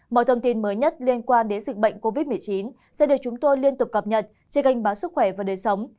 mọi thông tin mới nhất liên quan đến dịch bệnh covid một mươi chín sẽ được chúng tôi liên tục cập nhật trên kênh báo sức khỏe và đời sống